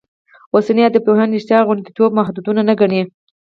اوسني ادبپوهان رشتیا غوندېتوب محدود نه ګڼي.